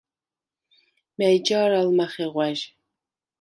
მა̈ჲ ჯა̄რ ალ მახეღვა̈ჟ?